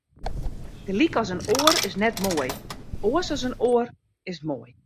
Gelyk as in oar is net moai, oars as in oar is moai.